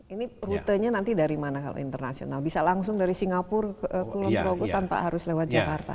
ini rutenya nanti dari mana kalau internasional bisa langsung dari singapura ke kulon progo tanpa harus lewat jakarta